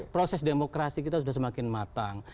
proses demokrasi kita sudah semakin matang